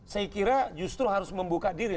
saya kira justru harus membuka diri